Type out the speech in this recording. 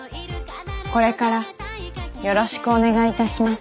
これからよろしくお願いいたします。